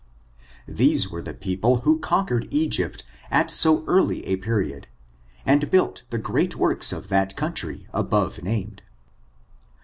These were the people who conquered Egypt at so early a period, and built the great works of that country | above named.